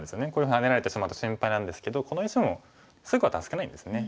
ハネられてしまうと心配なんですけどこの石もすぐは助けないんですね。